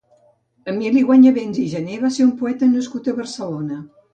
Emili Guanyavents i Jané va ser un poeta nascut a Barcelona.